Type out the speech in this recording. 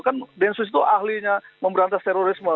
kan densus itu ahlinya memberantas terorisme